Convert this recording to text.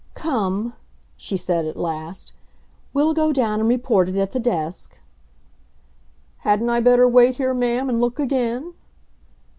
"Come," she said at last, "we'll go down and report it at the desk." "Hadn't I better wait here, ma'am, and look again?"